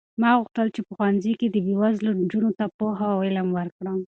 ما غوښتل چې په ښوونځي کې بې وزله نجونو ته پوهه او علم ورکړم.